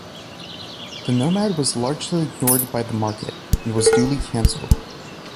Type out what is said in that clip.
The Nomad was largely ignored by the market, and was duly cancelled.